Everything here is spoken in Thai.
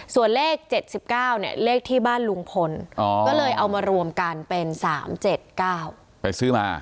ส่วนเลข๗๙เนี่ยเลขที่บ้านลุงพลก็เลยเอามารวมกันเป็น๓๗๙ไปซื้อมา